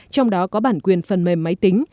trong đó có bản quyền phần mềm máy tính